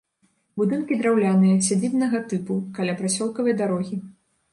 Будынкі драўляныя, сядзібнага тыпу, каля прасёлкавай дарогі.